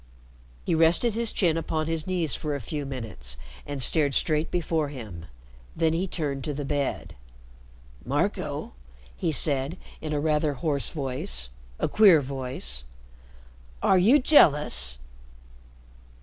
He rested his chin upon his knees for a few minutes and stared straight before him. Then he turned to the bed. "Marco," he said, in a rather hoarse voice, a queer voice; "are you jealous?"